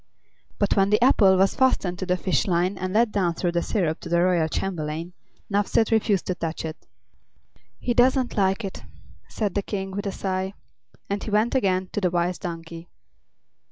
But when the apple was fastened to the fish line and let down through the syrup to the royal chamberlain, Nuphsed refused to touch it. "He doesn't like it," said the King, with a sigh; and he went again to the Wise Donkey.